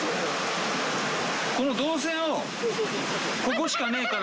この動線をここしかねえから。